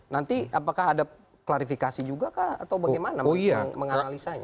nanti apakah ada klarifikasi juga kah atau bagaimana menganalisanya